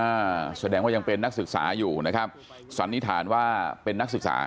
อ่าแสดงว่ายังเป็นนักศึกษาอยู่นะครับสันนิษฐานว่าเป็นนักศึกษา